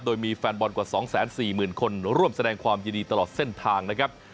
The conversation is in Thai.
โดยมีแฟนบอลกว่า๒๔๐๐๐คนร่วมแสดงความยินดีตลอดเส้นทางนะครับ